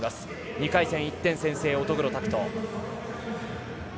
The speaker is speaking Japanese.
２回戦、１点先制、乙黒拓斗。